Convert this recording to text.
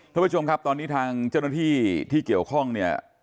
ท่านผู้ชมครับตอนนี้ทางเจ้าหน้าที่ที่เกี่ยวข้องเนี่ย